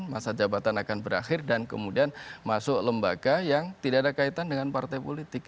masa jabatan akan berakhir dan kemudian masuk lembaga yang tidak ada kaitan dengan partai politik